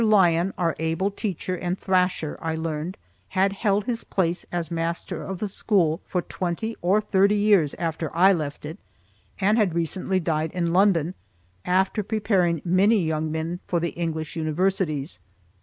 Lyon, our able teacher and thrasher, I learned, had held his place as master of the school for twenty or thirty years after I left it, and had recently died in London, after preparing many young men for the English Universities.